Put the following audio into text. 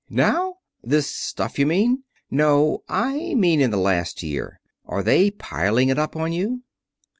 Now? This stuff you mean ?" "No; I mean in the last year. Are they piling it up on you?"